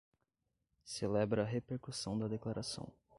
Celebra a repercussão da declaração